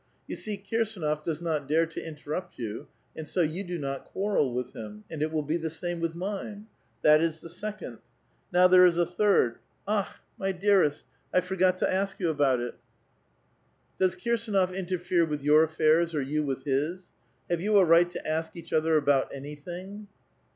You see Kirsdnof does not dare to interrupt you, and so you do not quarrel with him. And it will be the same with mine. That is the second. Now there is a thii d ! Ak/t ! my dearest, I forget to ask 3'ou about it. Does Kir sanof interfere with your affairs, or you with his? Have you a right to ask each other about anything?"